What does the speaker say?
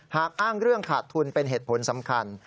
หากอ้างเรื่องขาดทุนเป็นเหตุผลสำคัญ